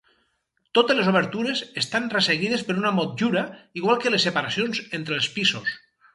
Totes les obertures estan resseguides per una motllura, igual que les separacions entre els pisos.